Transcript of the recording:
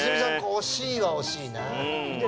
惜しいは惜しいな。